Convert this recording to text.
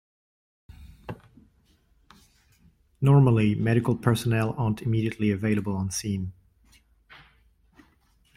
Normally medical personnel aren't immediately available on scene.